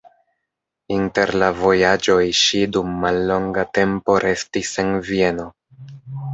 Inter la vojaĝoj ŝi dum mallonga tempo restis en Vieno.